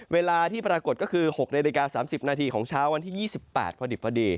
เวลาที่ปรากฏก็คือ๖นาฬิกา๓๐นาทีของเช้าวันที่๒๘พอดิบพอดี